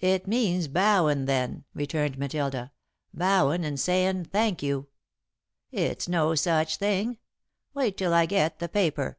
"It means bowin', then," returned Matilda. "Bowin' and sayin', 'Thank you.'" "It's no such thing. Wait till I get the paper."